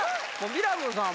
ミラクルさん